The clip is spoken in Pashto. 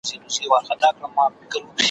نن به دي اوښکي پاکوم سبا به دواړه ورځو ,